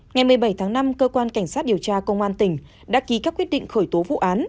ngày một mươi bảy tháng năm cơ quan cảnh sát điều tra công an tỉnh đã ký các quyết định khởi tố vụ án